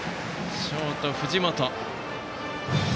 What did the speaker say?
ショート、藤本。